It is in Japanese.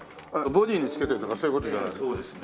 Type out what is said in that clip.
ボディーに着けてるとかそういう事じゃないですか？